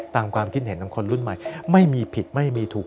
ความคิดเห็นของคนรุ่นใหม่ไม่มีผิดไม่มีถูก